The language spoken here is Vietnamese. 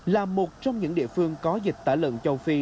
là một trong những địa phương có dịch tả lợn châu phi